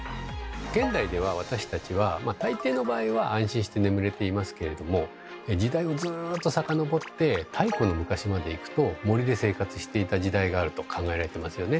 現代では私たちはまあ大抵の場合は安心して眠れていますけれども時代をずっと遡って太古の昔までいくと森で生活していた時代があると考えられてますよね。